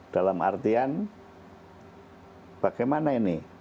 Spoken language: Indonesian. dalam artian bagaimana ini